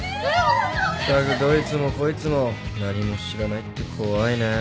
ったくどいつもこいつも何も知らないって怖いね。